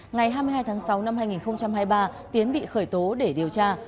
ngày hai mươi hai tháng sáu năm hai nghìn hai mươi ba tiến bị khởi tố để điều tra